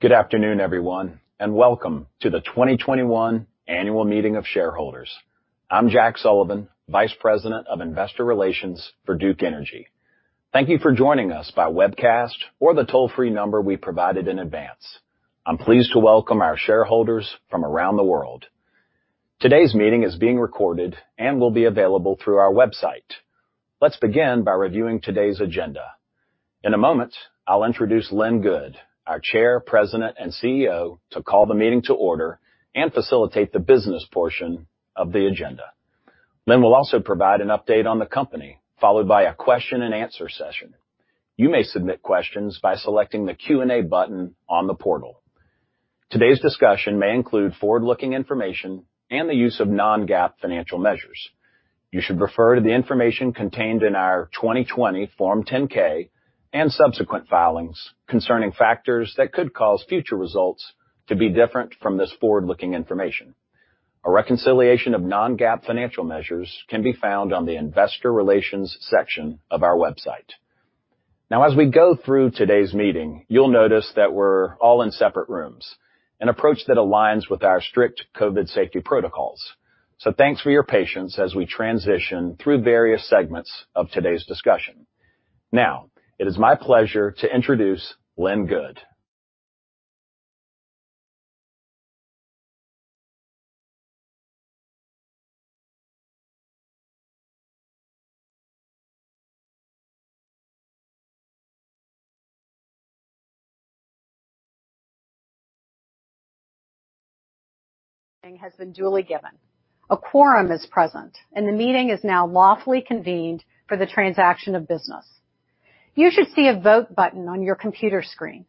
Good afternoon, everyone, and welcome to the 2021 annual meeting of shareholders. I'm Jack Sullivan, Vice President of Investor Relations for Duke Energy. Thank you for joining us by webcast or the toll-free number we provided in advance. I'm pleased to welcome our shareholders from around the world. Today's meeting is being recorded and will be available through our website. Let's begin by reviewing today's agenda. In a moment, I'll introduce Lynn Good, our Chair, President, and CEO, to call the meeting to order and facilitate the business portion of the agenda. Lynn will also provide an update on the company, followed by a question and answer session. You may submit questions by selecting the Q&A button on the portal. Today's discussion may include forward-looking information and the use of non-GAAP financial measures. You should refer to the information contained in our 2020 Form 10-K and subsequent filings concerning factors that could cause future results to be different from this forward-looking information. A reconciliation of non-GAAP financial measures can be found on the Investor Relations section of our website. As we go through today's meeting, you'll notice that we're all in separate rooms, an approach that aligns with our strict COVID safety protocols. Thanks for your patience as we transition through various segments of today's discussion. It is my pleasure to introduce Lynn Good. Has been duly given. A quorum is present, and the meeting is now lawfully convened for the transaction of business. You should see a vote button on your computer screen.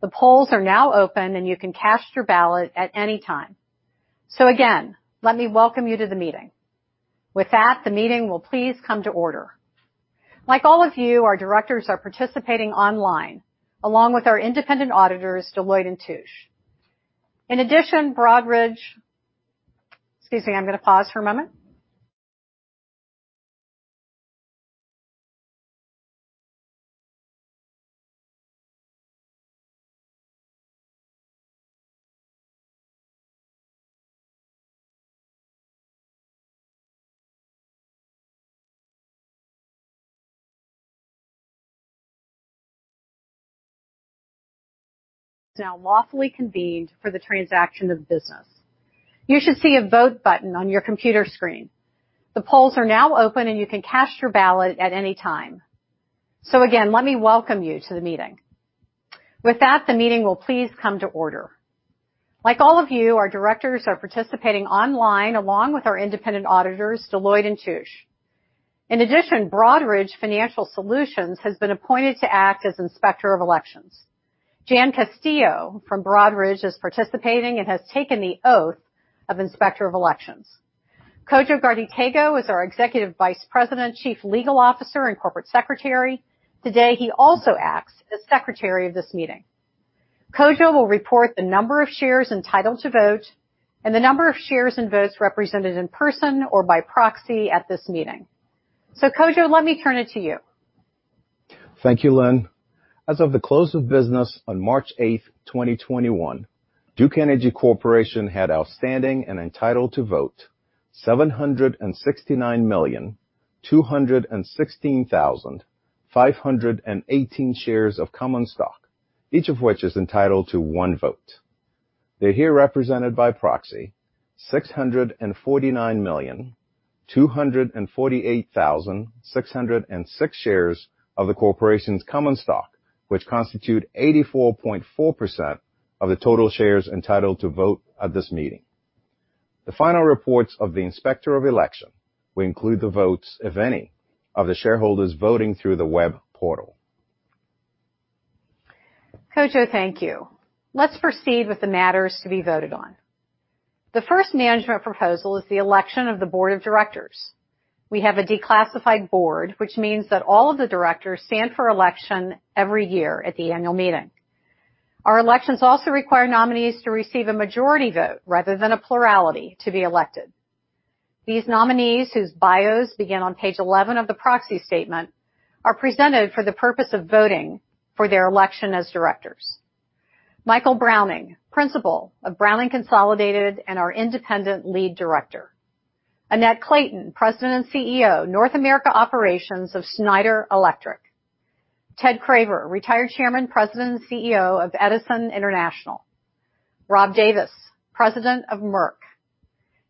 The polls are now open, and you can cast your ballot at any time. Again, let me welcome you to the meeting. With that, the meeting will please come to order. Like all of you, our directors are participating online, along with our independent auditors, Deloitte & Touche. In addition, Broadridge. Excuse me, I'm going to pause for a moment. Is now lawfully convened for the transaction of business. You should see a vote button on your computer screen. The polls are now open, and you can cast your ballot at any time. Again, let me welcome you to the meeting. With that, the meeting will please come to order. Like all of you, our directors are participating online, along with our independent auditors, Deloitte & Touche. In addition, Broadridge Financial Solutions has been appointed to act as Inspector of Elections. Jan Castillo from Broadridge is participating and has taken the oath of Inspector of Elections. Kodwo Ghartey-Tagoe is our Executive Vice President, Chief Legal Officer, and Corporate Secretary. Today, he also acts as Secretary of this meeting. Kodwo will report the number of shares entitled to vote and the number of shares and votes represented in person or by proxy at this meeting. Kodwo, let me turn it to you. Thank you, Lynn. As of the close of business on March 8th, 2021, Duke Energy Corporation had outstanding and entitled to vote, 769,216,518 shares of common stock, each of which is entitled to one vote. They're here represented by proxy 649,248,606 shares of the corporation's common stock, which constitute 84.4% of the total shares entitled to vote at this meeting. The final reports of the Inspector of Election will include the votes, if any, of the shareholders voting through the web portal. Kodwo, thank you. Let's proceed with the matters to be voted on. The first management proposal is the election of the board of directors. We have a declassified board, which means that all of the directors stand for election every year at the annual meeting. Our elections also require nominees to receive a majority vote rather than a plurality to be elected. These nominees, whose bios begin on page 11 of the proxy statement, are presented for the purpose of voting for their election as directors. Michael Browning, Principal of Browning Consolidated and our independent lead director. Annette Clayton, President and CEO, North America Operations of Schneider Electric. Ted Craver, Jr., Retired Chairman, President, and CEO of Edison International. Rob Davis, President of Merck.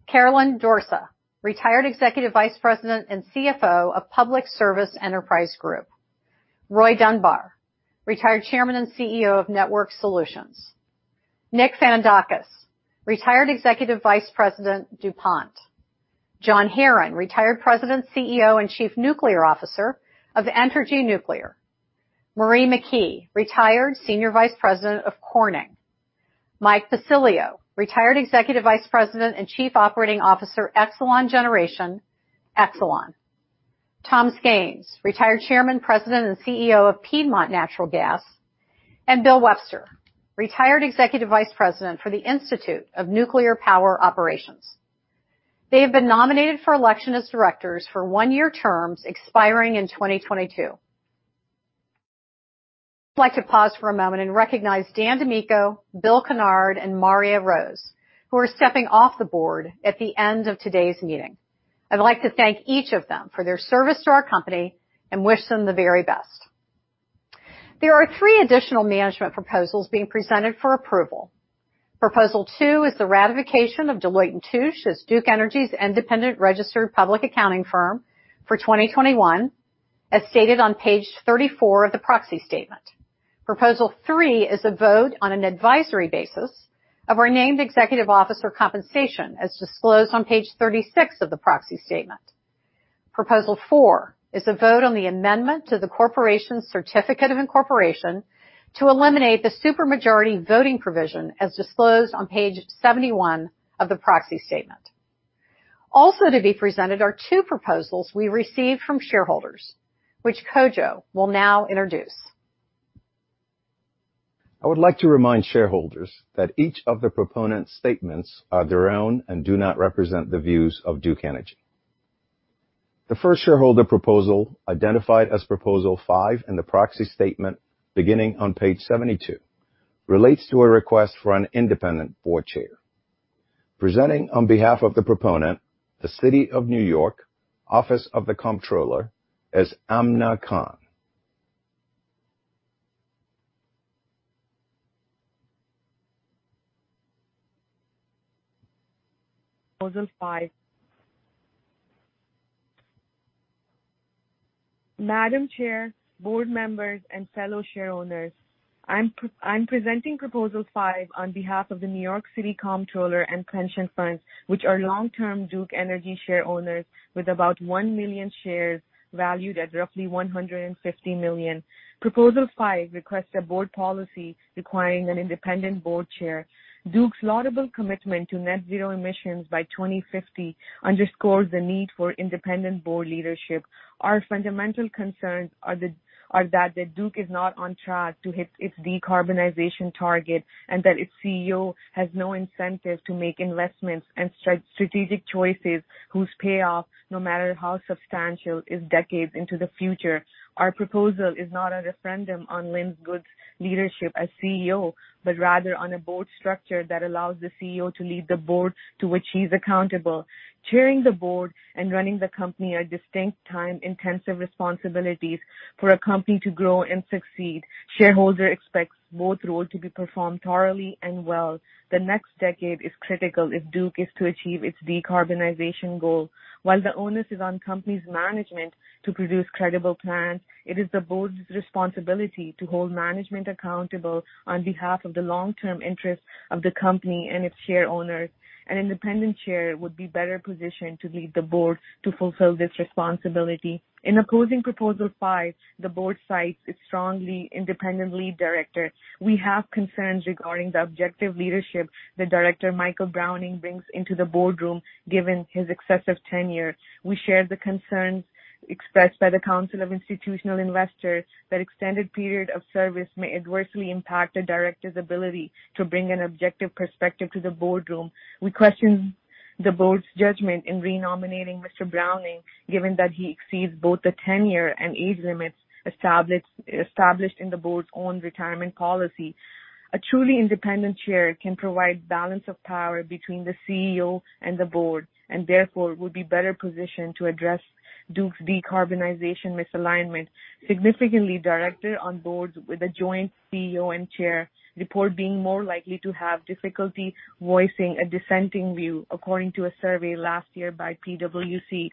Caroline Dorsa, Retired Executive Vice President and CFO of Public Service Enterprise Group. Roy Dunbar, Retired Chairman and CEO of Network Solutions. Nick Fanandakis, Retired Executive Vice President, DuPont. John Herron, Retired President, CEO, and Chief Nuclear Officer of Entergy Nuclear. Marie McKee, Retired Senior Vice President of Corning. Mike Pacilio, Retired Executive Vice President and Chief Operating Officer, Exelon Generation, Exelon. Tom Skains, Retired Chairman, President, and CEO of Piedmont Natural Gas. Bill Webster, Retired Executive Vice President for the Institute of Nuclear Power Operations. They have been nominated for election as directors for one-year terms expiring in 2022. I'd like to pause for a moment and recognize Dan DiMicco, Bill Kennard, and Marya Rose, who are stepping off the board at the end of today's meeting. I'd like to thank each of them for their service to our company and wish them the very best. There are three additional management proposals being presented for approval. Proposal two is the ratification of Deloitte & Touche as Duke Energy's independent registered public accounting firm for 2021, as stated on page 34 of the proxy statement. Proposal three is a vote on an advisory basis of our named executive officer compensation, as disclosed on page 36 of the proxy statement. Proposal four is a vote on the amendment to the corporation's certificate of incorporation to eliminate the supermajority voting provision, as disclosed on page 71 of the proxy statement. Also to be presented are two proposals we received from shareholders, which Kodwo will now introduce. I would like to remind shareholders that each of the proponents' statements are their own and do not represent the views of Duke Energy. The first shareholder proposal, identified as proposal five in the proxy statement beginning on page 72, relates to a request for an independent board chair. Presenting on behalf of the proponent, the City of New York, Office of the Comptroller, is Amna Khan. Proposal five. Madam Chair, board members, and fellow share owners, I'm presenting proposal five on behalf of the New York City Comptroller and Pension Funds, which are long-term Duke Energy share owners with about 1 million shares valued at roughly $150 million. Proposal five requests a board policy requiring an independent board chair. Duke's laudable commitment to net zero emissions by 2050 underscores the need for independent board leadership. Our fundamental concerns are that Duke is not on track to hit its decarbonization target and that its CEO has no incentive to make investments and strategic choices whose payoff, no matter how substantial, is decades into the future. Our proposal is not a referendum on Lynn Good's leadership as CEO, but rather on a board structure that allows the CEO to lead the board to which he's accountable. Chairing the board and running the company are distinct time-intensive responsibilities for a company to grow and succeed. Shareholders expect both roles to be performed thoroughly and well. The next decade is critical if Duke is to achieve its decarbonization goal. While the onus is on company's management to produce credible plans, it is the board's responsibility to hold management accountable on behalf of the long-term interests of the company and its share owners. An independent chair would be better positioned to lead the board to fulfill this responsibility. In opposing proposal five, the board cites its strongly independent lead director. We have concerns regarding the objective leadership that Director Michael Browning brings into the boardroom, given his excessive tenure. We share the concerns expressed by the Council of Institutional Investors that extended period of service may adversely impact a director's ability to bring an objective perspective to the boardroom. We question the board's judgment in re-nominating Mr. Browning, given that he exceeds both the tenure and age limits established in the board's own retirement policy. A truly independent chair can provide balance of power between the CEO and the board, and therefore, would be better positioned to address Duke's decarbonization misalignment. Significantly, directors on boards with a joint CEO and chair report being more likely to have difficulty voicing a dissenting view, according to a survey last year by PwC.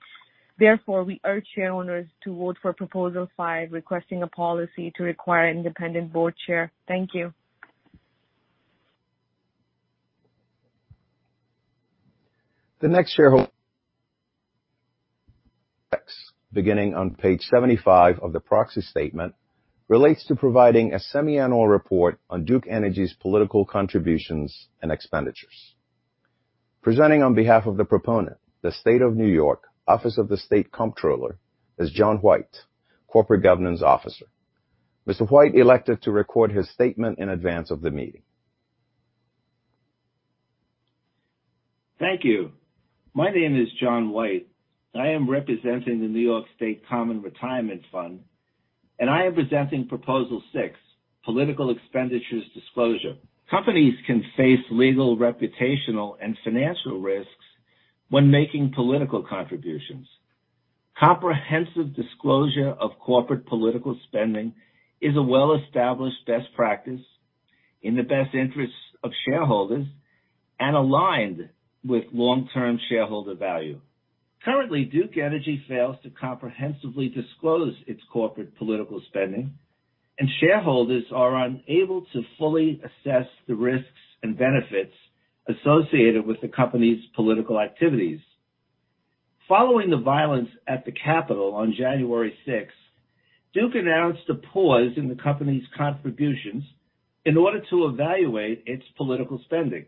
We urge share owners to vote for proposal five, requesting a policy to require an independent board chair. Thank you. The next shareholder beginning on page 75 of the proxy statement relates to providing a semiannual report on Duke Energy's political contributions and expenditures. Presenting on behalf of the proponent, the State of New York, Office of the New York State Comptroller, is John White, corporate governance officer. Mr. White elected to record his statement in advance of the meeting. Thank you. My name is John White. I am representing the New York State Common Retirement Fund. I am presenting proposal six, political expenditures disclosure. Companies can face legal, reputational, and financial risks when making political contributions. Comprehensive disclosure of corporate political spending is a well-established best practice in the best interests of shareholders and aligned with long-term shareholder value. Currently, Duke Energy fails to comprehensively disclose its corporate political spending. Shareholders are unable to fully assess the risks and benefits associated with the company's political activities. Following the violence at the Capitol on January sixth, Duke announced a pause in the company's contributions in order to evaluate its political spending.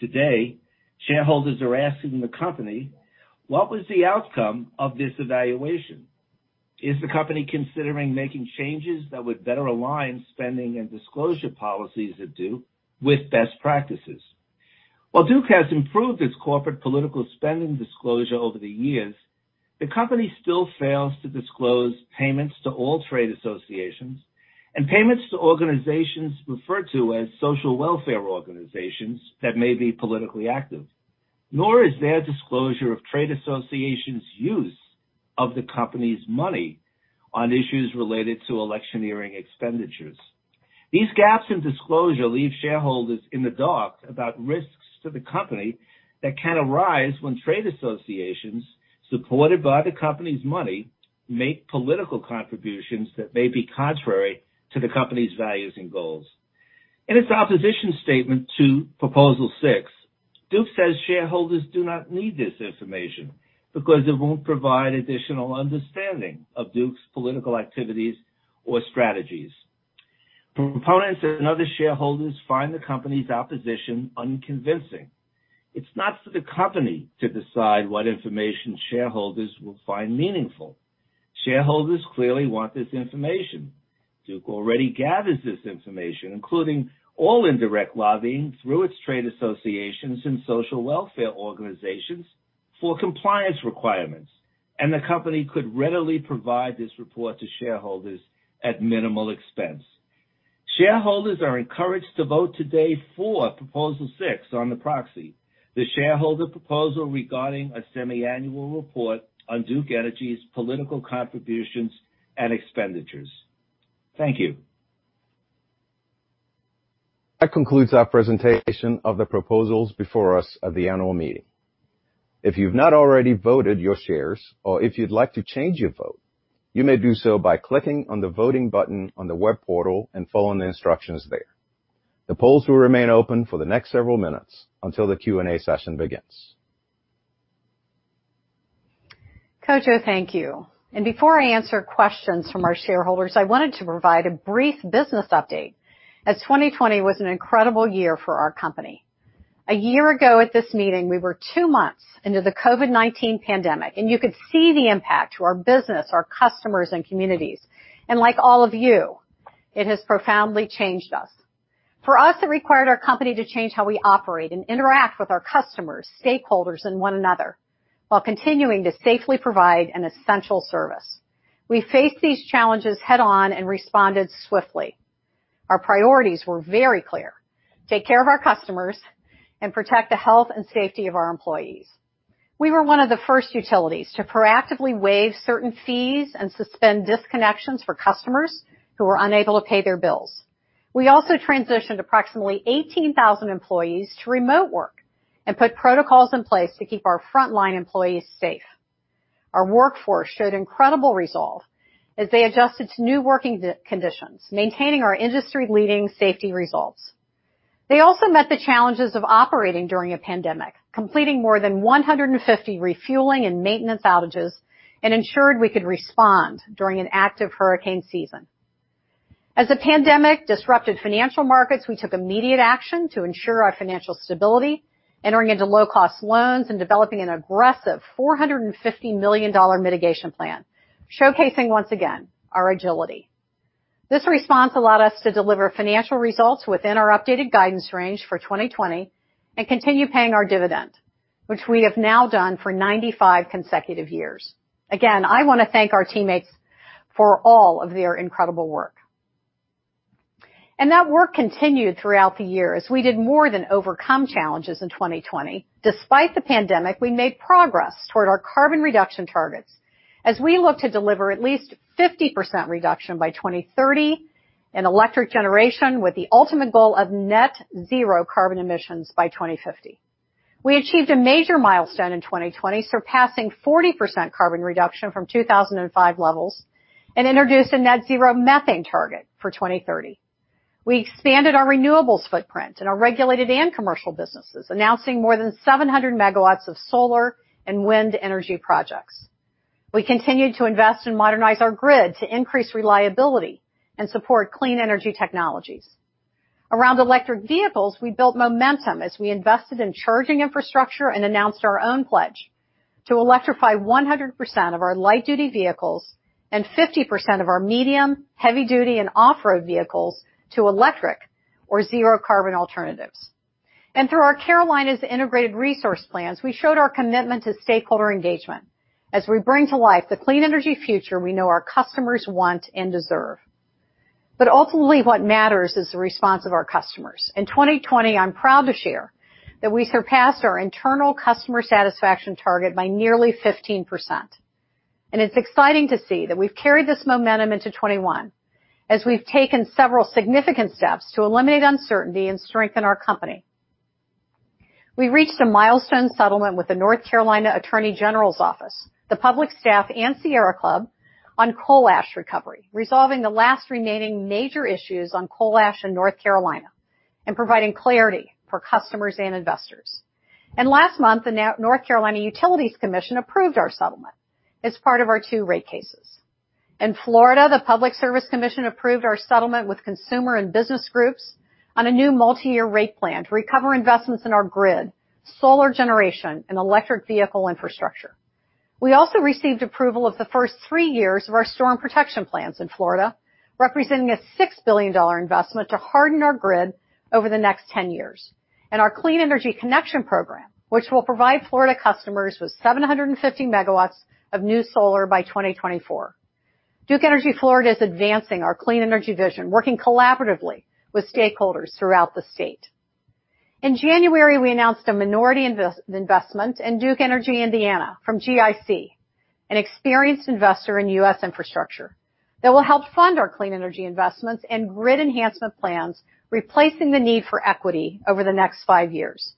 Today, shareholders are asking the company, what was the outcome of this evaluation? Is the company considering making changes that would better align spending and disclosure policies of Duke with best practices? While Duke has improved its corporate political spending disclosure over the years, the company still fails to disclose payments to all trade associations and payments to organizations referred to as social welfare organizations that may be politically active. Nor is there disclosure of trade associations' use of the company's money on issues related to electioneering expenditures. These gaps in disclosure leave shareholders in the dark about risks to the company that can arise when trade associations, supported by the company's money, make political contributions that may be contrary to the company's values and goals. In its opposition statement to proposal six, Duke says shareholders do not need this information because it won't provide additional understanding of Duke's political activities or strategies. Proponents and other shareholders find the company's opposition unconvincing. It's not for the company to decide what information shareholders will find meaningful. Shareholders clearly want this information. Duke already gathers this information, including all indirect lobbying through its trade associations and social welfare organizations, for compliance requirements, and the company could readily provide this report to shareholders at minimal expense. Shareholders are encouraged to vote today for proposal six on the proxy. The shareholder proposal regarding a semi-annual report on Duke Energy's political contributions and expenditures. Thank you. That concludes our presentation of the proposals before us at the annual meeting. If you've not already voted your shares or if you'd like to change your vote, you may do so by clicking on the Voting button on the web portal and following the instructions there. The polls will remain open for the next several minutes until the Q&A session begins. Kodwo, thank you. Before I answer questions from our shareholders, I wanted to provide a brief business update, as 2020 was an incredible year for our company. A year ago at this meeting, we were two months into the COVID-19 pandemic, and you could see the impact to our business, our customers, and communities. Like all of you, it has profoundly changed us. For us, it required our company to change how we operate and interact with our customers, stakeholders, and one another while continuing to safely provide an essential service. We faced these challenges head-on and responded swiftly. Our priorities were very clear. Take care of our customers and protect the health and safety of our employees. We were one of the first utilities to proactively waive certain fees and suspend disconnections for customers who were unable to pay their bills. We also transitioned approximately 18,000 employees to remote work and put protocols in place to keep our frontline employees safe. Our workforce showed incredible resolve as they adjusted to new working conditions, maintaining our industry-leading safety results. They also met the challenges of operating during a pandemic, completing more than 150 refueling and maintenance outages, and ensured we could respond during an active hurricane season. The pandemic disrupted financial markets, we took immediate action to ensure our financial stability, entering into low-cost loans and developing an aggressive $450 million mitigation plan, showcasing, once again, our agility. This response allowed us to deliver financial results within our updated guidance range for 2020 and continue paying our dividend, which we have now done for 95 consecutive years. I want to thank our teammates for all of their incredible work. That work continued throughout the year, as we did more than overcome challenges in 2020. Despite the pandemic, we made progress toward our carbon reduction targets. We look to deliver at least 50% reduction by 2030 in electric generation with the ultimate goal of net zero carbon emissions by 2050. We achieved a major milestone in 2020, surpassing 40% carbon reduction from 2005 levels and introduced a net zero methane target for 2030. We expanded our renewables footprint in our regulated and commercial businesses, announcing more than 700 MW of solar and wind energy projects. We continued to invest and modernize our grid to increase reliability and support clean energy technologies. Around electric vehicles, we built momentum as we invested in charging infrastructure and announced our own pledge to electrify 100% of our light-duty vehicles and 50% of our medium, heavy-duty, and off-road vehicles to electric or zero-carbon alternatives. Through our Carolinas Integrated Resource Plans, we showed our commitment to stakeholder engagement as we bring to life the clean energy future we know our customers want and deserve. Ultimately, what matters is the response of our customers. In 2020, I'm proud to share that we surpassed our internal customer satisfaction target by nearly 15%. It's exciting to see that we've carried this momentum into 2021, as we've taken several significant steps to eliminate uncertainty and strengthen our company. We reached a milestone settlement with the North Carolina Attorney General's Office, the Public Staff, and Sierra Club on coal ash recovery, resolving the last remaining major issues on coal ash in North Carolina and providing clarity for customers and investors. Last month, the North Carolina Utilities Commission approved our settlement as part of our two rate cases. In Florida, the Public Service Commission approved our settlement with consumer and business groups on a new multi-year rate plan to recover investments in our grid, solar generation and electric vehicle infrastructure. We also received approval of the first three years of our Storm Protection Plans in Florida, representing a $6 billion investment to harden our grid over the next 10 years. Our Clean Energy Connection program, which will provide Florida customers with 750 MW of new solar by 2024. Duke Energy Florida is advancing our clean energy vision, working collaboratively with stakeholders throughout the state. In January, we announced a minority investment in Duke Energy Indiana from GIC, an experienced investor in U.S. infrastructure that will help fund our clean energy investments and grid enhancement plans, replacing the need for equity over the next five years.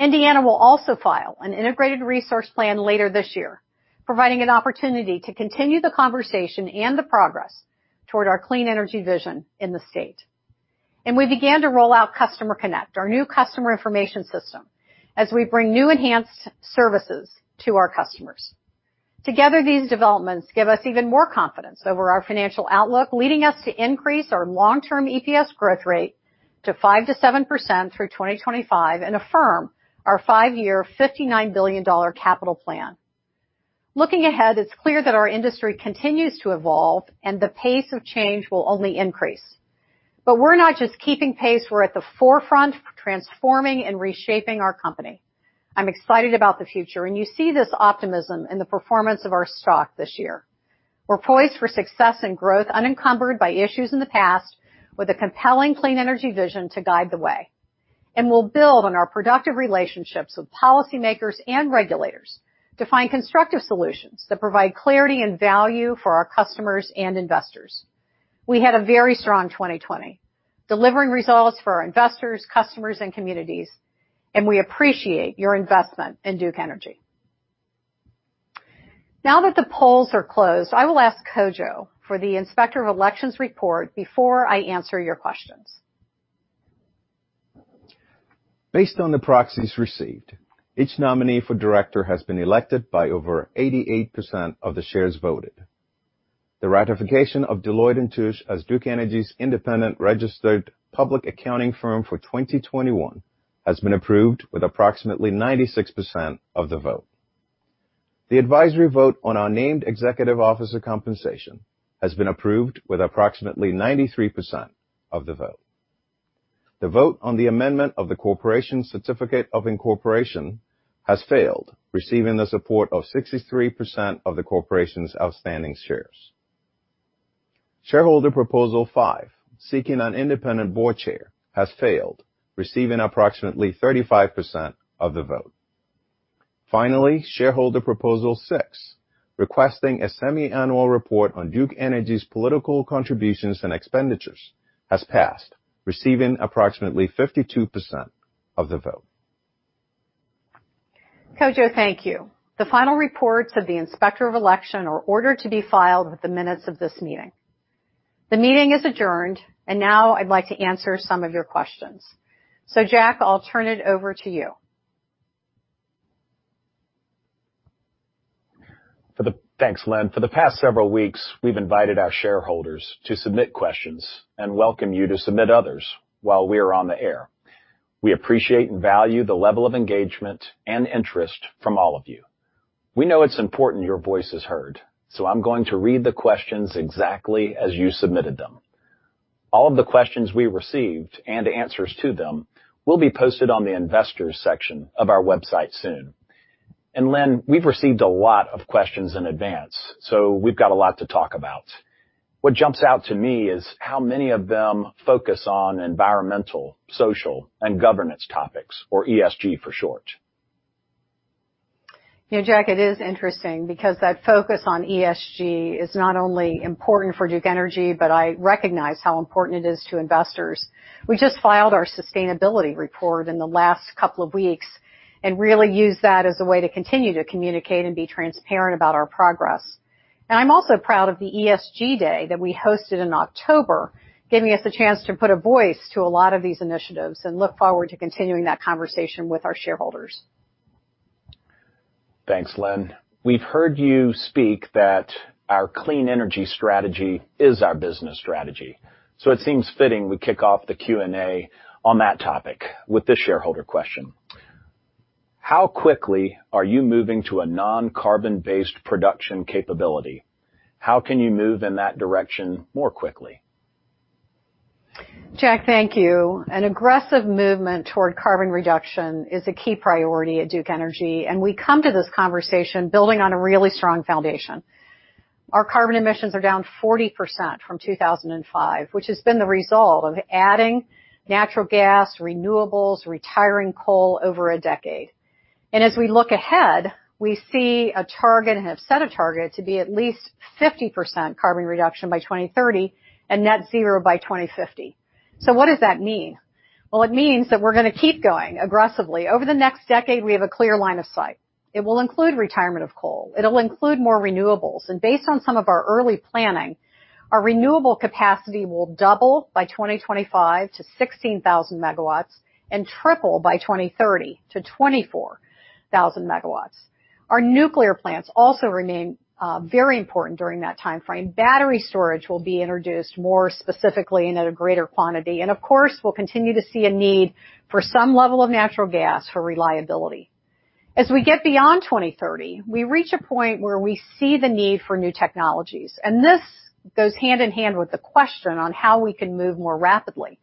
Indiana will also file an Integrated Resource Plan later this year, providing an opportunity to continue the conversation and the progress toward our clean energy vision in the state. We began to roll out Customer Connect, our new customer information system, as we bring new enhanced services to our customers. Together, these developments give us even more confidence over our financial outlook, leading us to increase our long-term EPS growth rate to 5%-7% through 2025 and affirm our five-year $59 billion capital plan. Looking ahead, it's clear that our industry continues to evolve and the pace of change will only increase. We're not just keeping pace, we're at the forefront of transforming and reshaping our company. I'm excited about the future, and you see this optimism in the performance of our stock this year. We're poised for success and growth unencumbered by issues in the past with a compelling clean energy vision to guide the way. We'll build on our productive relationships with policymakers and regulators to find constructive solutions that provide clarity and value for our customers and investors. We had a very strong 2020, delivering results for our investors, customers, and communities, and we appreciate your investment in Duke Energy. Now that the polls are closed, I will ask Kodwo for the Inspector of Elections report before I answer your questions. Based on the proxies received, each nominee for director has been elected by over 88% of the shares voted. The ratification of Deloitte & Touche as Duke Energy's independent registered public accounting firm for 2021 has been approved with approximately 96% of the vote. The advisory vote on our named executive officer compensation has been approved with approximately 93% of the vote. The vote on the amendment of the corporation certificate of incorporation has failed, receiving the support of 63% of the corporation's outstanding shares. Shareholder proposal five, seeking an independent board chair, has failed, receiving approximately 35% of the vote. Finally, Shareholder proposal six, requesting a semiannual report on Duke Energy's political contributions and expenditures, has passed, receiving approximately 52% of the vote. Kodwo, thank you. The final reports of the Inspector of Elections are ordered to be filed with the minutes of this meeting. The meeting is adjourned, and now I'd like to answer some of your questions. Jack, I'll turn it over to you. Thanks, Lynn. For the past several weeks, we've invited our shareholders to submit questions and welcome you to submit others while we are on the air. We appreciate and value the level of engagement and interest from all of you. We know it's important your voice is heard, so I'm going to read the questions exactly as you submitted them. All of the questions we received, and answers to them, will be posted on the investors section of our website soon. Lynn, we've received a lot of questions in advance, so we've got a lot to talk about. What jumps out to me is how many of them focus on environmental, social, and governance topics, or ESG for short. Jack, it is interesting because that focus on ESG is not only important for Duke Energy, but I recognize how important it is to investors. We just filed our sustainability report in the last couple of weeks and really used that as a way to continue to communicate and be transparent about our progress. I'm also proud of the ESG day that we hosted in October, giving us a chance to put a voice to a lot of these initiatives, and look forward to continuing that conversation with our shareholders. Thanks, Lynn. We've heard you speak that our clean energy strategy is our business strategy. It seems fitting we kick off the Q&A on that topic with this shareholder question. How quickly are you moving to a non-carbon-based production capability? How can you move in that direction more quickly? Jack, thank you. An aggressive movement toward carbon reduction is a key priority at Duke Energy, and we come to this conversation building on a really strong foundation. Our carbon emissions are down 40% from 2005, which has been the result of adding natural gas, renewables, retiring coal over a decade. As we look ahead, we see a target and have set a target to be at least 50% carbon reduction by 2030 and net zero by 2050. What does that mean? Well, it means that we're going to keep going aggressively. Over the next decade, we have a clear line of sight. It will include retirement of coal. It'll include more renewables. Based on some of our early planning, our renewable capacity will double by 2025 to 16,000 MW and triple by 2030 to 24,000 MW. Our nuclear plants also remain very important during that timeframe. Battery storage will be introduced more specifically and at a greater quantity. Of course, we'll continue to see a need for some level of natural gas for reliability. As we get beyond 2030, we reach a point where we see the need for new technologies, and this goes hand in hand with the question on how we can move more rapidly.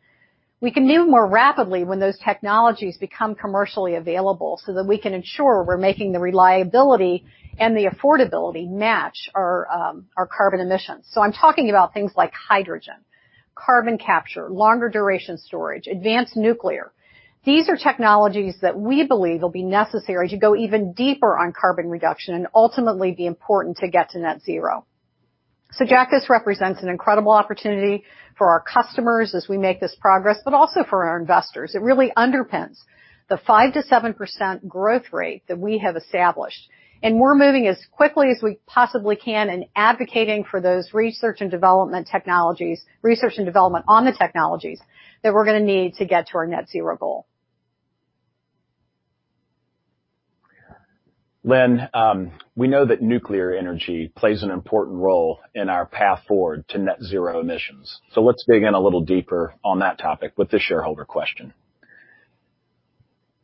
We can move more rapidly when those technologies become commercially available so that we can ensure we're making the reliability and the affordability match our carbon emissions. I'm talking about things like hydrogen, carbon capture, longer duration storage, advanced nuclear. These are technologies that we believe will be necessary as you go even deeper on carbon reduction and ultimately be important to get to net zero. Jack, this represents an incredible opportunity for our customers as we make this progress, but also for our investors. It really underpins the 5%-7% growth rate that we have established, and we're moving as quickly as we possibly can and advocating for those research and development on the technologies that we're going to need to get to our net zero goal. Lynn, we know that nuclear energy plays an important role in our path forward to net zero emissions. Let's dig in a little deeper on that topic with this shareholder question.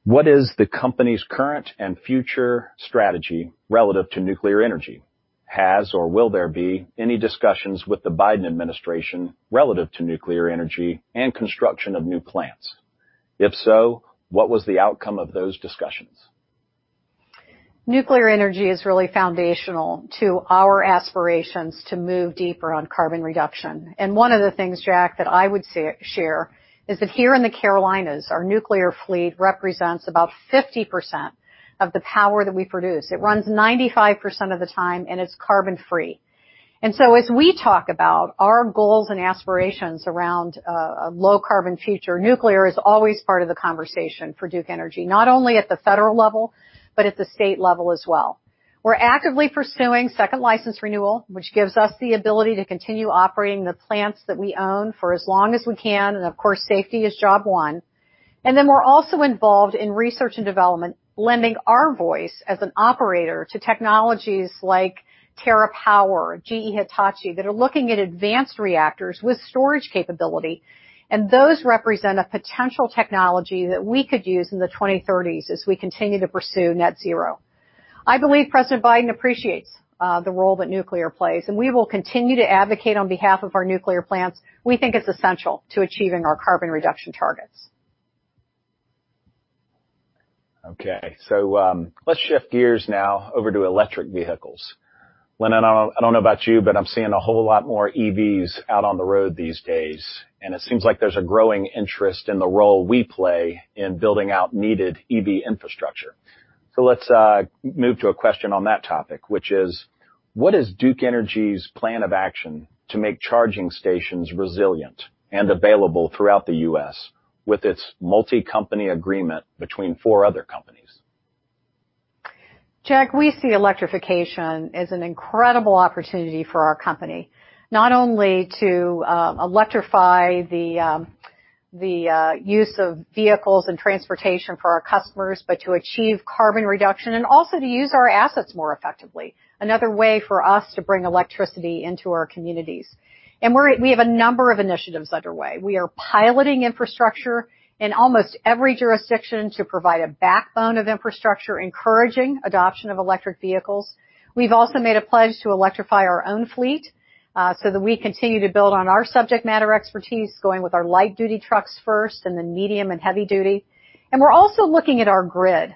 What is the company's current and future strategy relative to nuclear energy? Has or will there be any discussions with the Biden administration relative to nuclear energy and construction of new plants? If so, what was the outcome of those discussions? Nuclear energy is really foundational to our aspirations to move deeper on carbon reduction. One of the things, Jack, that I would share is that here in the Carolinas, our nuclear fleet represents about 50% of the power that we produce. It runs 95% of the time, and it's carbon-free. As we talk about our goals and aspirations around a low carbon future, nuclear is always part of the conversation for Duke Energy, not only at the federal level but at the state level as well. We're actively pursuing second license renewal, which gives us the ability to continue operating the plants that we own for as long as we can, and of course, safety is job one. We're also involved in research and development, lending our voice as an operator to technologies like TerraPower, GE Hitachi, that are looking at advanced reactors with storage capability. Those represent a potential technology that we could use in the 2030s as we continue to pursue net zero. I believe President Biden appreciates the role that nuclear plays, and we will continue to advocate on behalf of our nuclear plants. We think it's essential to achieving our carbon reduction targets. Okay. Let's shift gears now over to electric vehicles. Lynn, I don't know about you, but I'm seeing a whole lot more EVs out on the road these days, and it seems like there's a growing interest in the role we play in building out needed EV infrastructure. Let's move to a question on that topic, which is: what is Duke Energy's plan of action to make charging stations resilient and available throughout the U.S. with its multi-company agreement between four other companies? Jack, we see electrification as an incredible opportunity for our company, not only to electrify the use of vehicles and transportation for our customers, but to achieve carbon reduction and also to use our assets more effectively. Another way for us to bring electricity into our communities. We have a number of initiatives underway. We are piloting infrastructure in almost every jurisdiction to provide a backbone of infrastructure encouraging adoption of electric vehicles. We've also made a pledge to electrify our own fleet so that we continue to build on our subject matter expertise, going with our light duty trucks first and then medium and heavy duty. We're also looking at our grid.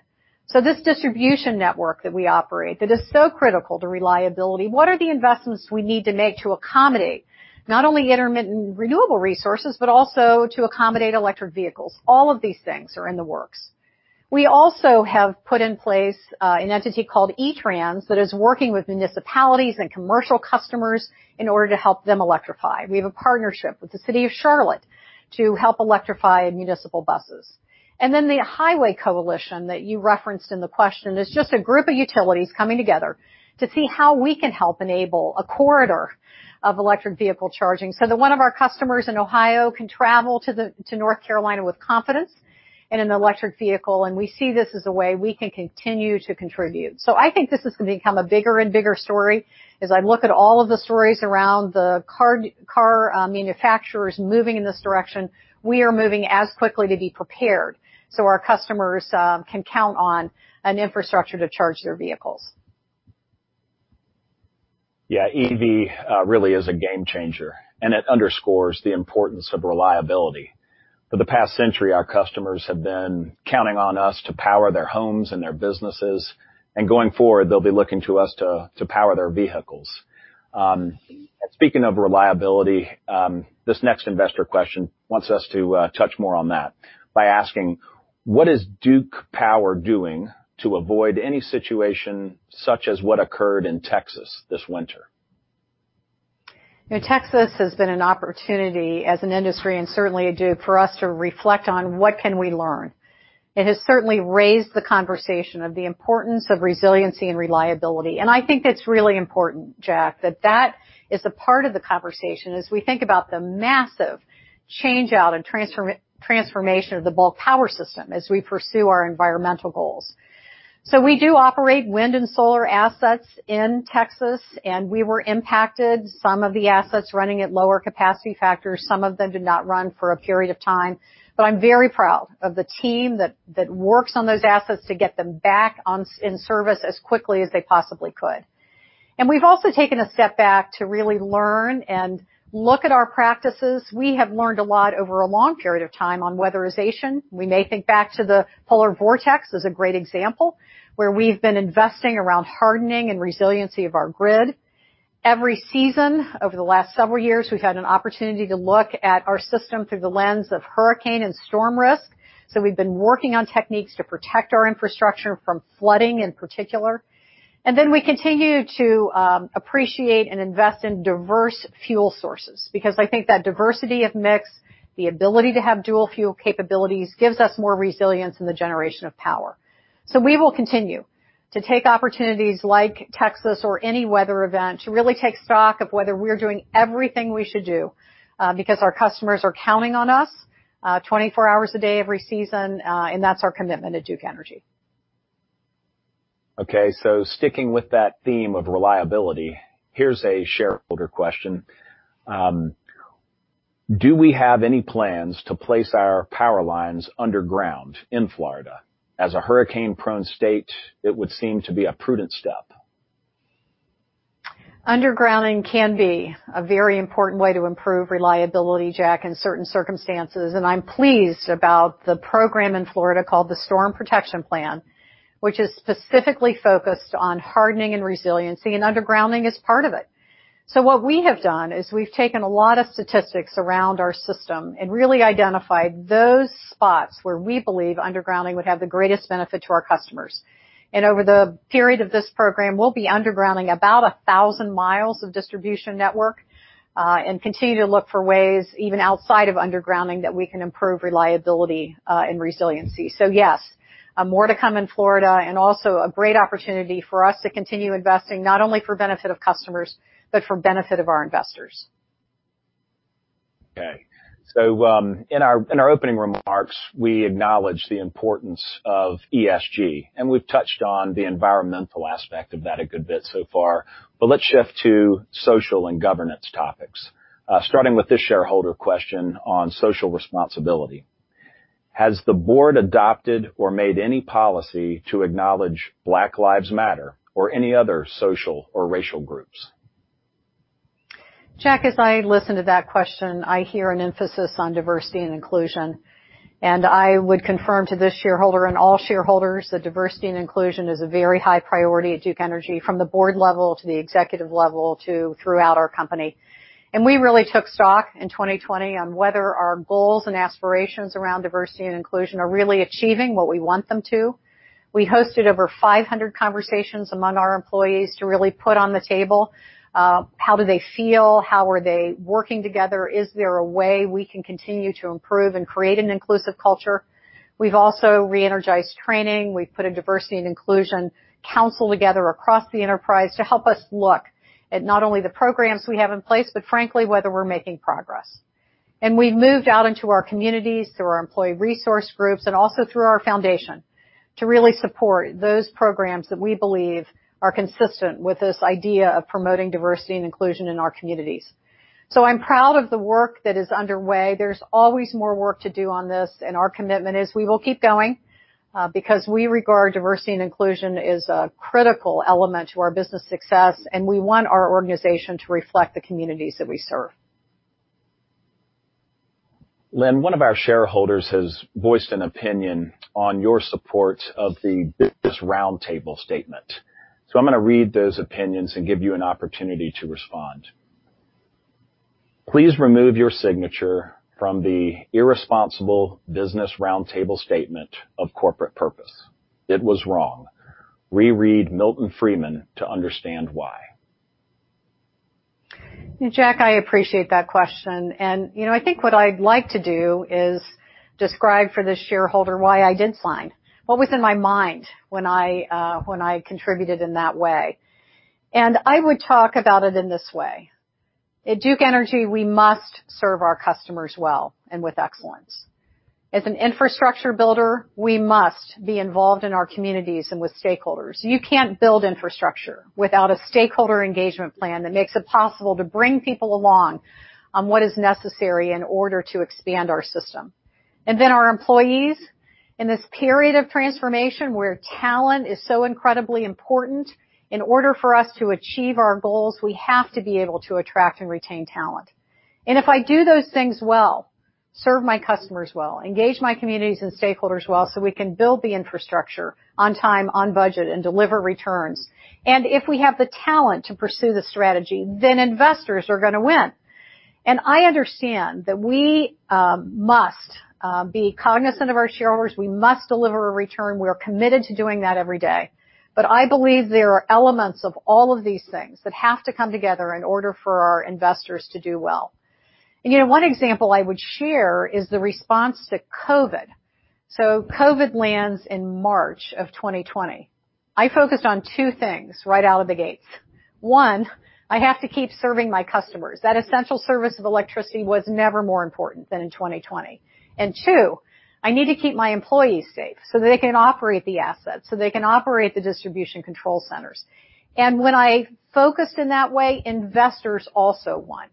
This distribution network that we operate that is so critical to reliability, what are the investments we need to make to accommodate not only intermittent renewable resources, but also to accommodate electric vehicles? All of these things are in the works. We also have put in place an entity called eTrans that is working with municipalities and commercial customers in order to help them electrify. We have a partnership with the City of Charlotte to help electrify municipal buses. The highway coalition that you referenced in the question is just a group of utilities coming together to see how we can help enable a corridor of electric vehicle charging so that one of our customers in Ohio can travel to North Carolina with confidence in an electric vehicle, and we see this as a way we can continue to contribute. I think this is going to become a bigger and bigger story. As I look at all of the stories around the car manufacturers moving in this direction, we are moving as quickly to be prepared so our customers can count on an infrastructure to charge their vehicles. Yeah, EV really is a game changer, and it underscores the importance of reliability. For the past century, our customers have been counting on us to power their homes and their businesses, and going forward, they'll be looking to us to power their vehicles. Speaking of reliability, this next investor question wants us to touch more on that by asking, what is Duke Energy doing to avoid any situation such as what occurred in Texas this winter? Texas has been an opportunity as an industry and certainly at Duke, for us to reflect on what can we learn. It has certainly raised the conversation of the importance of resiliency and reliability, and I think that's really important, Jack, that that is a part of the conversation as we think about the massive change-out and transformation of the bulk power system as we pursue our environmental goals. We do operate wind and solar assets in Texas, and we were impacted. Some of the assets running at lower capacity factors. Some of them did not run for a period of time. I'm very proud of the team that works on those assets to get them back in service as quickly as they possibly could. We've also taken a step back to really learn and look at our practices. We have learned a lot over a long period of time on weatherization. We may think back to the polar vortex as a great example, where we've been investing around hardening and resiliency of our grid. Every season over the last several years, we've had an opportunity to look at our system through the lens of hurricane and storm risk. We've been working on techniques to protect our infrastructure from flooding in particular. We continue to appreciate and invest in diverse fuel sources because I think that diversity of mix, the ability to have dual fuel capabilities gives us more resilience in the generation of power. We will continue to take opportunities like Texas or any weather event to really take stock of whether we're doing everything we should do because our customers are counting on us 24 hours a day every season, and that's our commitment at Duke Energy. Okay. Sticking with that theme of reliability, here's a shareholder question. Do we have any plans to place our power lines underground in Florida? As a hurricane-prone state, it would seem to be a prudent step. Undergrounding can be a very important way to improve reliability, Jack, in certain circumstances. I'm pleased about the program in Florida called the Storm Protection Plan, which is specifically focused on hardening and resiliency, and undergrounding is part of it. What we have done is we've taken a lot of statistics around our system and really identified those spots where we believe undergrounding would have the greatest benefit to our customers. Over the period of this program, we'll be undergrounding about 1,000 mi of distribution network, and continue to look for ways, even outside of undergrounding, that we can improve reliability and resiliency. Yes, more to come in Florida and also a great opportunity for us to continue investing not only for benefit of customers, but for benefit of our investors. In our opening remarks, we acknowledged the importance of ESG, and we've touched on the environmental aspect of that a good bit so far. Let's shift to social and governance topics, starting with this shareholder question on social responsibility. Has the board adopted or made any policy to acknowledge Black Lives Matter or any other social or racial groups? Jack, as I listen to that question, I hear an emphasis on diversity and inclusion. I would confirm to this shareholder and all shareholders that diversity and inclusion is a very high priority at Duke Energy, from the board level to the executive level to throughout our company. We really took stock in 2020 on whether our goals and aspirations around diversity and inclusion are really achieving what we want them to. We hosted over 500 conversations among our employees to really put on the table how do they feel? How are they working together? Is there a way we can continue to improve and create an inclusive culture? We've also re-energized training. We've put a diversity and inclusion council together across the enterprise to help us look at not only the programs we have in place, but frankly, whether we're making progress. We've moved out into our communities through our employee resource groups and also through our foundation to really support those programs that we believe are consistent with this idea of promoting diversity and inclusion in our communities. I'm proud of the work that is underway. There's always more work to do on this, and our commitment is we will keep going because we regard diversity and inclusion as a critical element to our business success, and we want our organization to reflect the communities that we serve. Lynn, one of our shareholders has voiced an opinion on your support of the Business Roundtable statement. I'm going to read those opinions and give you an opportunity to respond. Please remove your signature from the irresponsible Business Roundtable statement of corporate purpose. It was wrong. Reread Milton Friedman to understand why. Jack, I appreciate that question. I think what I'd like to do is describe for this shareholder why I did sign. What was in my mind when I contributed in that way? I would talk about it in this way. At Duke Energy, we must serve our customers well and with excellence. As an infrastructure builder, we must be involved in our communities and with stakeholders. You can't build infrastructure without a stakeholder engagement plan that makes it possible to bring people along on what is necessary in order to expand our system. Our employees, in this period of transformation where talent is so incredibly important, in order for us to achieve our goals, we have to be able to attract and retain talent. If I do those things well, serve my customers well, engage my communities and stakeholders well so we can build the infrastructure on time, on budget, and deliver returns, if we have the talent to pursue the strategy, then investors are going to win. I understand that we must be cognizant of our shareholders. We must deliver a return. We are committed to doing that every day. I believe there are elements of all of these things that have to come together in order for our investors to do well. One example I would share is the response to COVID. COVID lands in March of 2020. I focused on two things right out of the gates. One, I have to keep serving my customers. That essential service of electricity was never more important than in 2020. Two, I need to keep my employees safe so they can operate the assets, so they can operate the distribution control centers. When I focused in that way, investors also won.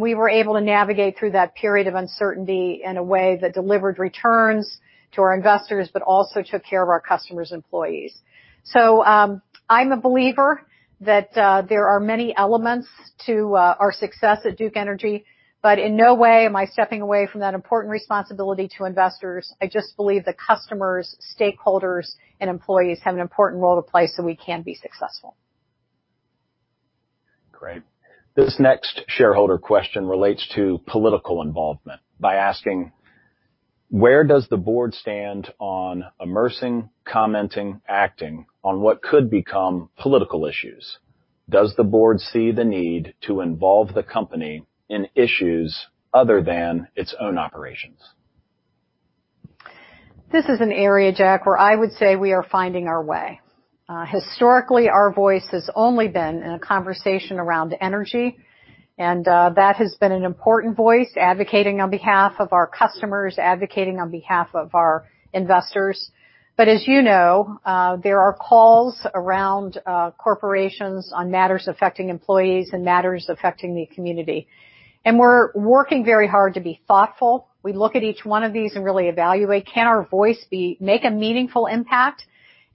We were able to navigate through that period of uncertainty in a way that delivered returns to our investors, but also took care of our customers and employees. I'm a believer that there are many elements to our success at Duke Energy, but in no way am I stepping away from that important responsibility to investors. I just believe that customers, stakeholders, and employees have an important role to play so we can be successful. Great. This next shareholder question relates to political involvement by asking: Where does the board stand on immersing, commenting, acting on what could become political issues? Does the board see the need to involve the company in issues other than its own operations? This is an area, Jack, where I would say we are finding our way. Historically, our voice has only been in a conversation around energy, and that has been an important voice, advocating on behalf of our customers, advocating on behalf of our investors. As you know, there are calls around corporations on matters affecting employees and matters affecting the community, and we're working very hard to be thoughtful. We look at each one of these and really evaluate, can our voice make a meaningful impact?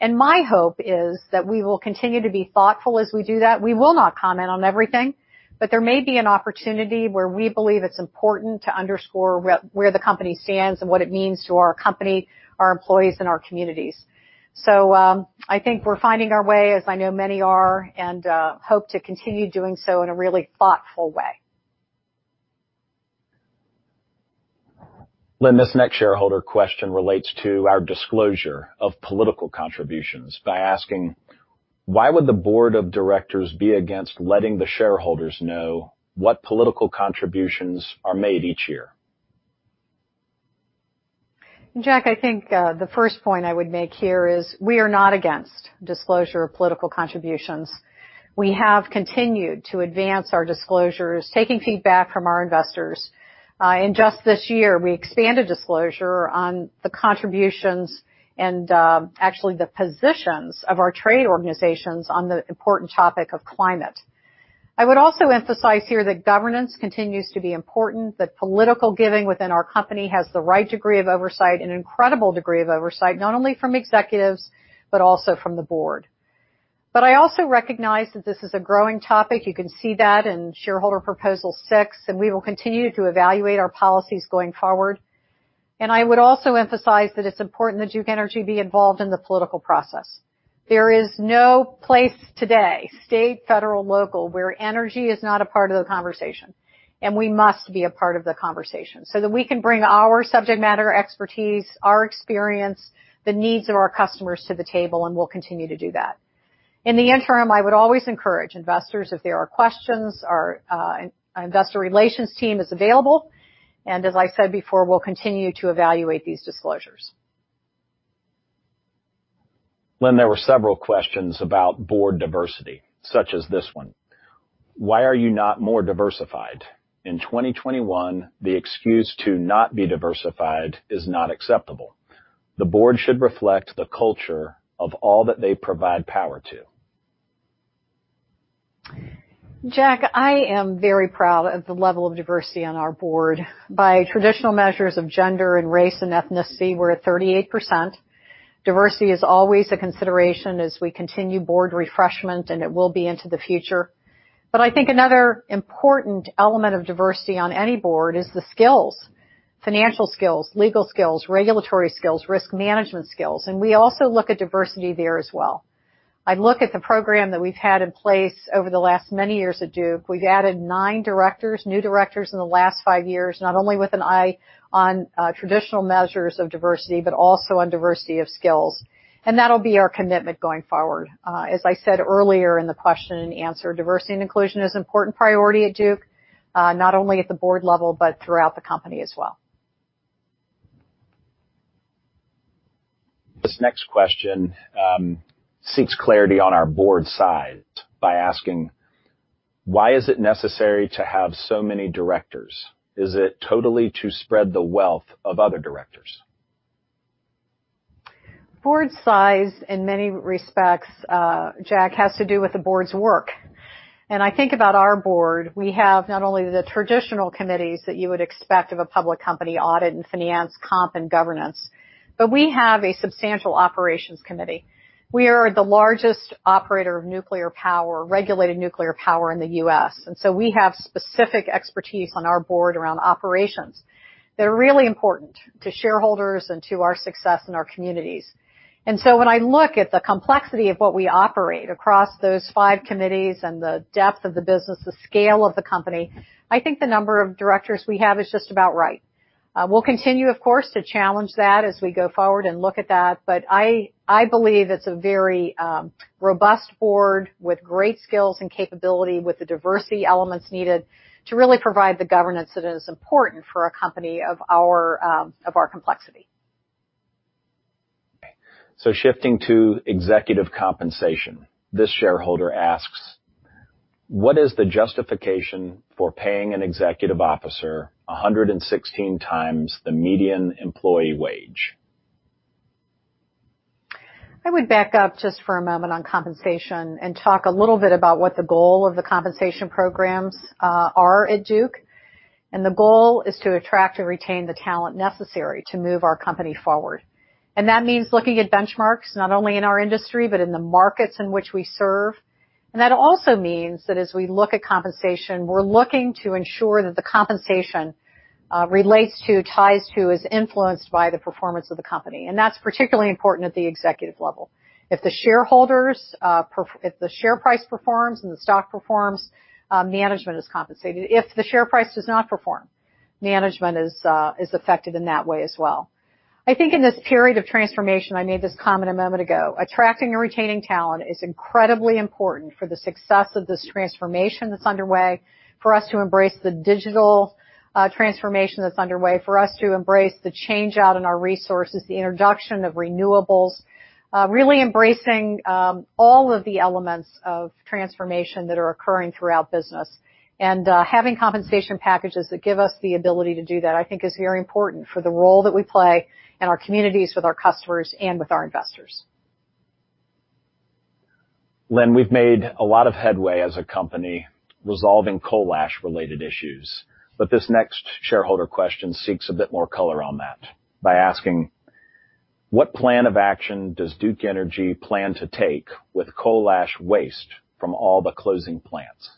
My hope is that we will continue to be thoughtful as we do that. We will not comment on everything, but there may be an opportunity where we believe it's important to underscore where the company stands and what it means to our company, our employees, and our communities. I think we're finding our way, as I know many are, and hope to continue doing so in a really thoughtful way. Lynn, this next shareholder question relates to our disclosure of political contributions by asking: Why would the board of directors be against letting the shareholders know what political contributions are made each year? Jack, I think the first point I would make here is we are not against disclosure of political contributions. We have continued to advance our disclosures, taking feedback from our investors. In just this year, we expanded disclosure on the contributions and actually the positions of our trade organizations on the important topic of climate. I would also emphasize here that governance continues to be important, that political giving within our company has the right degree of oversight, an incredible degree of oversight, not only from executives, but also from the board. I also recognize that this is a growing topic. You can see that in shareholder proposal six. We will continue to evaluate our policies going forward. I would also emphasize that it's important that Duke Energy be involved in the political process. There is no place today, state, federal, local, where energy is not a part of the conversation. We must be a part of the conversation so that we can bring our subject matter expertise, our experience, the needs of our customers to the table, and we'll continue to do that. In the interim, I would always encourage investors, if there are questions, our investor relations team is available, and as I said before, we'll continue to evaluate these disclosures. Lynn, there were several questions about board diversity, such as this one: Why are you not more diversified? In 2021, the excuse to not be diversified is not acceptable. The board should reflect the culture of all that they provide power to. Jack, I am very proud of the level of diversity on our board. By traditional measures of gender and race and ethnicity, we're at 38%. Diversity is always a consideration as we continue board refreshment, and it will be into the future. I think another important element of diversity on any board is the skills, financial skills, legal skills, regulatory skills, risk management skills. We also look at diversity there as well. I look at the program that we've had in place over the last many years at Duke. We've added nine directors, new directors in the last five years, not only with an eye on traditional measures of diversity, but also on diversity of skills. That'll be our commitment going forward. As I said earlier in the question and answer, diversity and inclusion is an important priority at Duke, not only at the board level, but throughout the company as well. This next question seeks clarity on our board size by asking: Why is it necessary to have so many directors? Is it totally to spread the wealth of other directors? Board size, in many respects, Jack, has to do with the board's work. I think about our board, we have not only the traditional committees that you would expect of a public company, audit and finance, comp and governance, but we have a substantial operations committee. We are the largest operator of nuclear power, regulated nuclear power in the U.S. So we have specific expertise on our board around operations that are really important to shareholders and to our success in our communities. When I look at the complexity of what we operate across those five committees and the depth of the business, the scale of the company, I think the number of directors we have is just about right. We'll continue, of course, to challenge that as we go forward and look at that. I believe it's a very robust board with great skills and capability, with the diversity elements needed to really provide the governance that is important for a company of our complexity. Shifting to executive compensation, this shareholder asks: What is the justification for paying an executive officer 116 times the median employee wage? I would back up just for a moment on compensation and talk a little bit about what the goal of the compensation programs are at Duke. The goal is to attract and retain the talent necessary to move our company forward. That means looking at benchmarks, not only in our industry, but in the markets in which we serve. That also means that as we look at compensation, we're looking to ensure that the compensation relates to, ties to, is influenced by the performance of the company. That's particularly important at the executive level. If the share price performs and the stock performs, management is compensated. If the share price does not perform, management is affected in that way as well. I think in this period of transformation, I made this comment a moment ago, attracting and retaining talent is incredibly important for the success of this transformation that's underway, for us to embrace the digital transformation that's underway, for us to embrace the change out in our resources, the introduction of renewables. Really embracing all of the elements of transformation that are occurring throughout business. Having compensation packages that give us the ability to do that, I think is very important for the role that we play in our communities, with our customers, and with our investors. Lynn, we've made a lot of headway as a company resolving coal ash-related issues. This next shareholder question seeks a bit more color on that by asking: What plan of action does Duke Energy plan to take with coal ash waste from all the closing plants?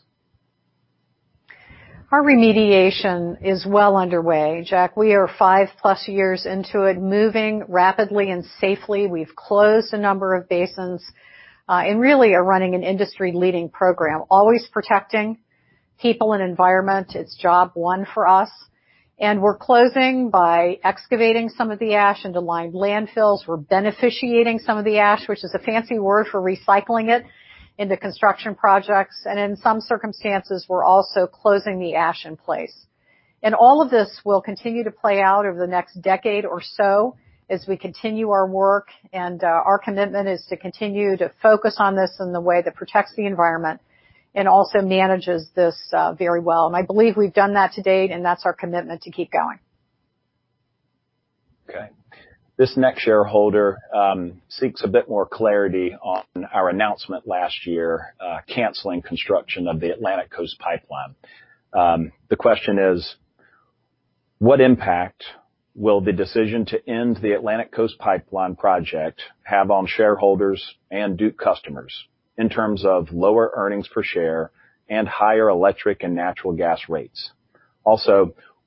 Our remediation is well underway, Jack. We are 5+ years into it, moving rapidly and safely. We've closed a number of basins, and really are running an industry-leading program, always protecting people and environment. It's job one for us. We're closing by excavating some of the ash into lined landfills. We're beneficiating some of the ash, which is a fancy word for recycling it into construction projects. In some circumstances, we're also closing the ash in place. All of this will continue to play out over the next decade or so as we continue our work, and our commitment is to continue to focus on this in the way that protects the environment and also manages this very well. I believe we've done that to date, and that's our commitment to keep going. Okay. This next shareholder seeks a bit more clarity on our announcement last year, canceling construction of the Atlantic Coast Pipeline. The question is: what impact will the decision to end the Atlantic Coast Pipeline project have on shareholders and Duke Energy customers in terms of lower earnings per share and higher electric and natural gas rates?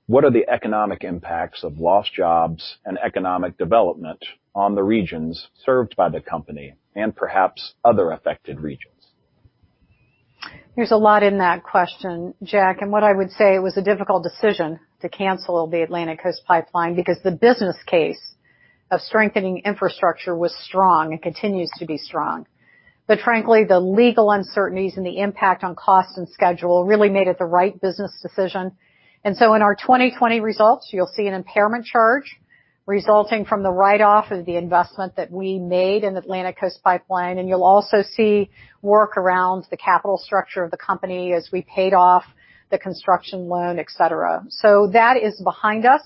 What are the economic impacts of lost jobs and economic development on the regions served by the company and perhaps other affected regions? There's a lot in that question, Jack. What I would say, it was a difficult decision to cancel the Atlantic Coast Pipeline because the business case of strengthening infrastructure was strong and continues to be strong. Frankly, the legal uncertainties and the impact on cost and schedule really made it the right business decision. In our 2020 results, you'll see an impairment charge resulting from the write-off of the investment that we made in the Atlantic Coast Pipeline. You'll also see work around the capital structure of the company as we paid off the construction loan, et cetera. That is behind us,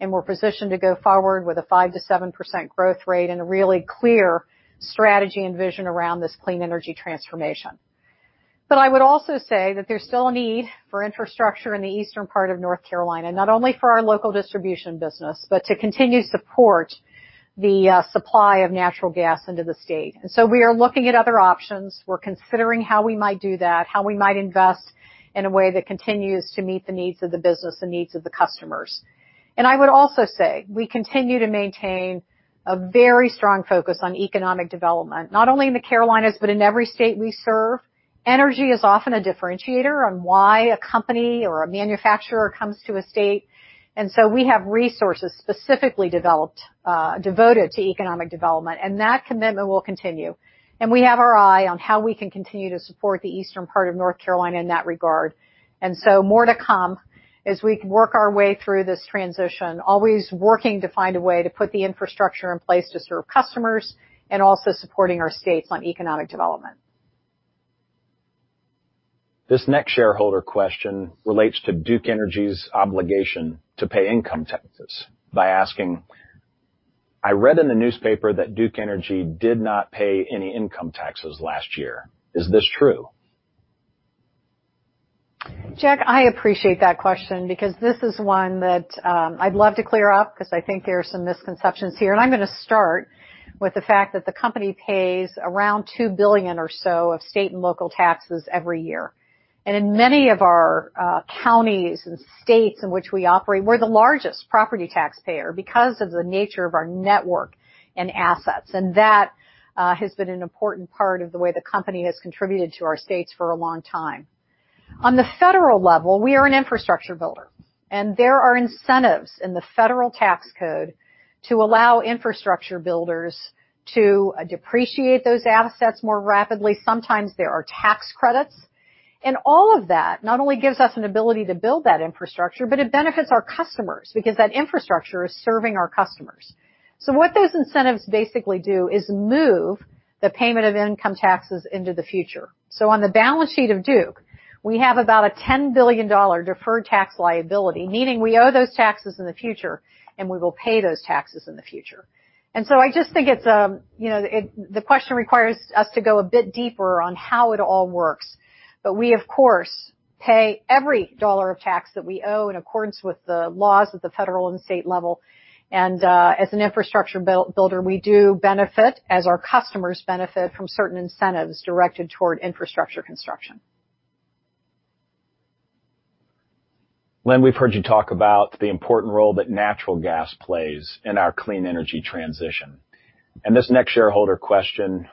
and we're positioned to go forward with a 5%-7% growth rate and a really clear strategy and vision around this clean energy transformation. I would also say that there's still a need for infrastructure in the eastern part of North Carolina, not only for our local distribution business, but to continue to support the supply of natural gas into the state. We are looking at other options. We're considering how we might do that, how we might invest in a way that continues to meet the needs of the business and needs of the customers. I would also say, we continue to maintain a very strong focus on economic development, not only in the Carolinas, but in every state we serve. Energy is often a differentiator on why a company or a manufacturer comes to a state, and so we have resources specifically devoted to economic development, and that commitment will continue. We have our eye on how we can continue to support the eastern part of North Carolina in that regard. More to come as we work our way through this transition, always working to find a way to put the infrastructure in place to serve customers and also supporting our states on economic development. This next shareholder question relates to Duke Energy's obligation to pay income taxes by asking: I read in the newspaper that Duke Energy did not pay any income taxes last year. Is this true? Jack, I appreciate that question because this is one that I'd love to clear up because I think there are some misconceptions here. I'm going to start with the fact that the company pays around $2 billion or so of state and local taxes every year. In many of our counties and states in which we operate, we're the largest property taxpayer because of the nature of our network and assets. That has been an important part of the way the company has contributed to our states for a long time. On the federal level, we are an infrastructure builder, and there are incentives in the federal tax code to allow infrastructure builders to depreciate those assets more rapidly. Sometimes there are tax credits. All of that not only gives us an ability to build that infrastructure, but it benefits our customers because that infrastructure is serving our customers. What those incentives basically do is move the payment of income taxes into the future. On the balance sheet of Duke, we have about a $10 billion deferred tax liability, meaning we owe those taxes in the future, and we will pay those taxes in the future. I just think the question requires us to go a bit deeper on how it all works. We, of course, pay every dollar of tax that we owe in accordance with the laws at the federal and state level. As an infrastructure builder, we do benefit, as our customers benefit from certain incentives directed toward infrastructure construction. Lynn, we've heard you talk about the important role that natural gas plays in our clean energy transition. This next shareholder question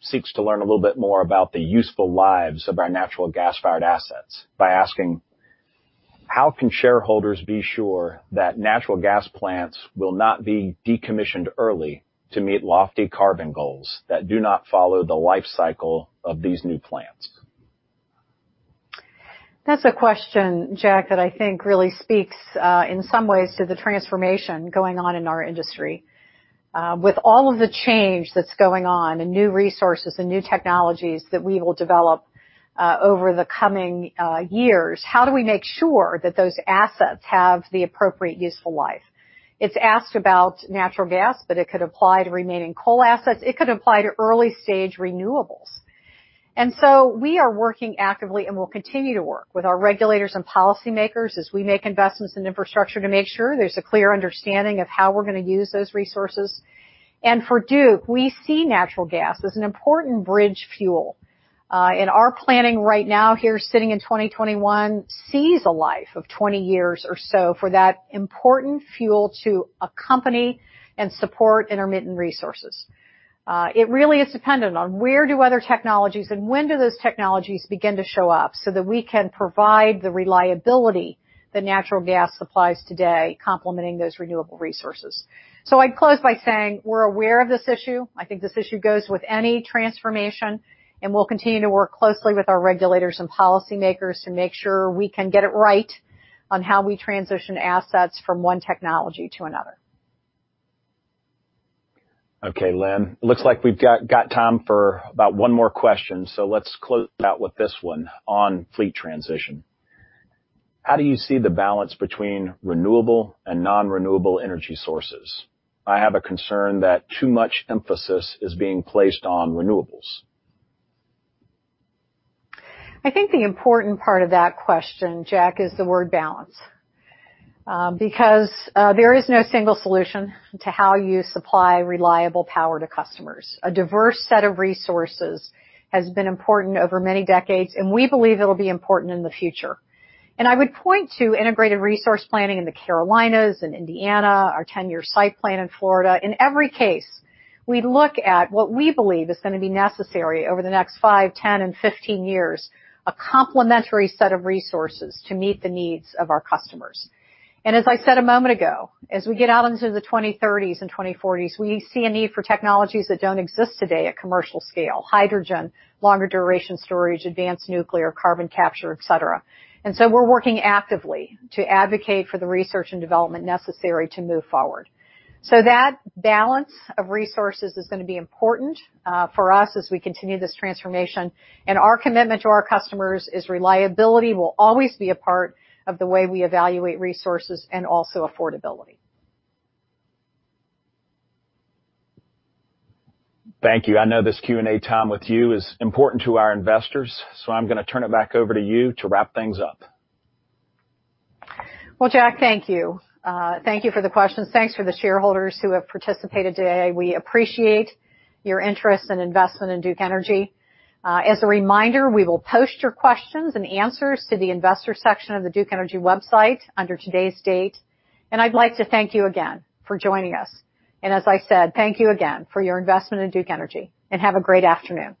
seeks to learn a little bit more about the useful lives of our natural gas-fired assets by asking: How can shareholders be sure that natural gas plants will not be decommissioned early to meet lofty carbon goals that do not follow the life cycle of these new plants? That's a question, Jack, that I think really speaks in some ways to the transformation going on in our industry. With all of the change that's going on and new resources and new technologies that we will develop over the coming years, how do we make sure that those assets have the appropriate useful life? It's asked about natural gas, but it could apply to remaining coal assets. It could apply to early-stage renewables. We are working actively and will continue to work with our regulators and policymakers as we make investments in infrastructure to make sure there's a clear understanding of how we're going to use those resources. For Duke, we see natural gas as an important bridge fuel. In our planning right now, here sitting in 2021, sees a life of 20 years or so for that important fuel to accompany and support intermittent resources. It really is dependent on where do other technologies and when do those technologies begin to show up so that we can provide the reliability that natural gas supplies today complementing those renewable resources. I'd close by saying we're aware of this issue. I think this issue goes with any transformation, and we'll continue to work closely with our regulators and policymakers to make sure we can get it right on how we transition assets from one technology to another. Okay, Lynn. Looks like we've got time for about one more question, so let's close out with this one on fleet transition. How do you see the balance between renewable and non-renewable energy sources? I have a concern that too much emphasis is being placed on renewables. I think the important part of that question, Jack, is the word balance. There is no single solution to how you supply reliable power to customers. A diverse set of resources has been important over many decades, and we believe it'll be important in the future. I would point to integrated resource planning in the Carolinas and Indiana, our 10-year site plan in Florida. In every case, we look at what we believe is going to be necessary over the next five, 10, and 15 years, a complementary set of resources to meet the needs of our customers. As I said a moment ago, as we get out into the 2030s and 2040s, we see a need for technologies that don't exist today at commercial scale: hydrogen, longer duration storage, advanced nuclear, carbon capture, et cetera. We're working actively to advocate for the research and development necessary to move forward. That balance of resources is going to be important for us as we continue this transformation. Our commitment to our customers is reliability will always be a part of the way we evaluate resources and also affordability. Thank you. I know this Q&A time with you is important to our investors, so I'm going to turn it back over to you to wrap things up. Well, Jack, thank you. Thank you for the questions. Thanks for the shareholders who have participated today. We appreciate your interest and investment in Duke Energy. As a reminder, we will post your questions and answers to the investor section of the Duke Energy website under today's date. I'd like to thank you again for joining us. As I said, thank you again for your investment in Duke Energy, and have a great afternoon.